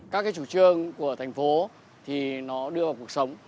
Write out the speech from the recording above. các cái chủ trương của thành phố thì nó đưa vào cuộc sống